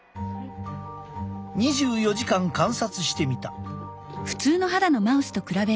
２４時間観察してみた。